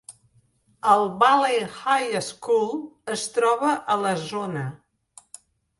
El Valley High School es troba a la zona.